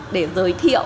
để giới thiệu